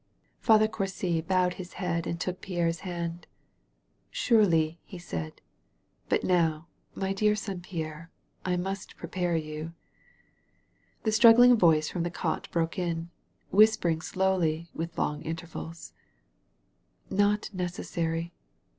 Father Courcy bowed his head and took Pierre*s hand. *' Surely," he said. But now» my dear son Pierre, I must prepare you —The struggling voice from the cot broke in, whis pering slowly, with long intervals: ''Not neces sary.